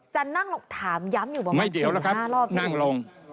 จะนั่งลงถามย้ำอยู่บางที๕รอบ